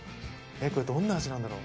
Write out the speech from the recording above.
これ、どんな味なんだろう？